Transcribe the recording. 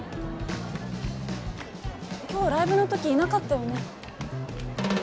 今日ライブの時いなかったよね？